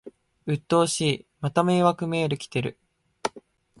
うっとうしい、また迷惑メール来てる